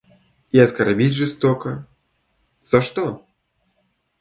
И оскорбить жестоко... За что?